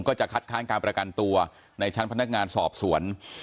ก็จะคัดค้านการประกันตัวในชั้นพนักงานสอบสวน